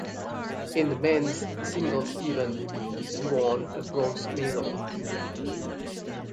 In the men's singles event he won a bronze medal.